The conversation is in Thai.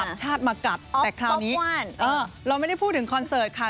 ต่างชาติมากัดแต่คราวนี้เราไม่ได้พูดถึงคอนเสิร์ตค่ะ